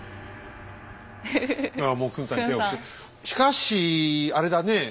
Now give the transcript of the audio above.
しかしあれだね